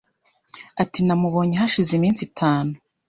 Ati: "Namubonye hashize iminsi itanu".